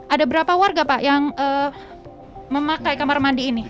ada berapa warga pak yang memakai kamar mandi ini